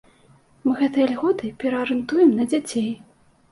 Мы гэтыя льготы пераарыентуем на дзяцей.